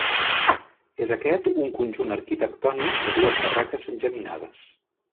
És aquest un conjunt arquitectònic de dues barraques geminades.